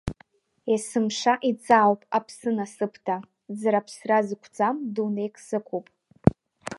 Есымша иҵаауп аԥсы насыԥда, ӡра-ԥсра зықәӡам дунеик сықәуп.